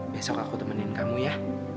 besok aku temenin kamu ya